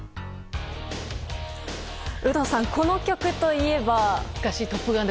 有働さん、この曲といえば？